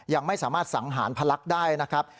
ยังไม่สามารถสังหารพลักษณ์ได้นะครับ